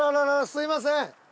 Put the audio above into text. すいません！